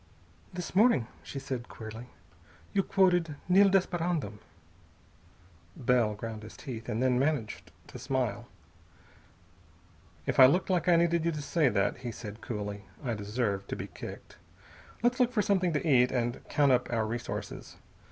"This morning," she said queerly, "you you quoted 'Nil desperandum.'" Bell ground his teeth, and then managed to smile. "If I looked like I needed you say that," he said coolly, "I deserve to be kicked. Let's look for something to eat, and count up our resources.